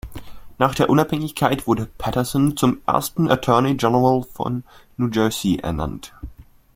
Nach der Unabhängigkeit wurde Paterson zum ersten Attorney General von New Jersey ernannt.